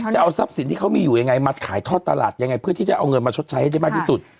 จะเอาทรัพย์สินที่เขามีอยู่ยังไงมาขายทอดตลาดยังไงเพื่อที่จะเอาเงินมาชดใช้ให้ได้มากที่สุด